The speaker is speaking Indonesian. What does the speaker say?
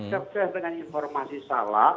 kerja dengan informasi salah